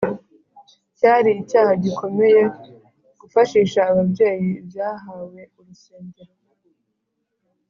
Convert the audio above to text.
cyari icyaha gikomeye gufashisha ababyeyi ibyahawe urusengero